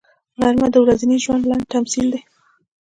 غرمه د ورځني ژوند لنډ تمثیل دی